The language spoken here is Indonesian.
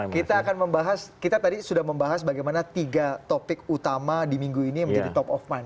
kita akan membahas kita tadi sudah membahas bagaimana tiga topik utama di minggu ini menjadi top of mind